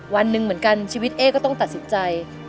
วันหนึ่งเหมือนกันชีวิตเอ๊ก็ต้องตัดสินใจ